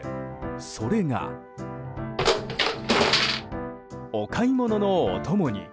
それが、お買い物のお供に！